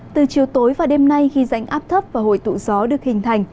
từ chiều tối và đêm nay khi rảnh áp thấp và hồi tụ gió được hình thành